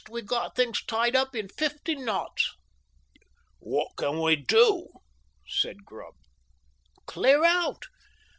We got things tied up in fifty knots." "What can we do?" said Grubb. "Clear out.